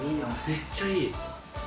めっちゃいい。